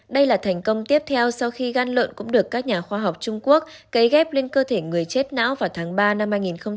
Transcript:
đây là thành công tiếp theo sau khi gan lợn cũng được các nhà khoa học trung quốc cấy ghép lên cơ thể người chết não vào tháng ba năm hai nghìn hai mươi